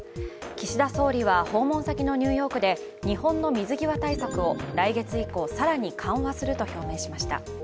岸田総理は、訪問先のニューヨークで日本の水際対策を来月以降、更に緩和すると表明しました。